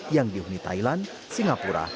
yang dihuni thailand singapura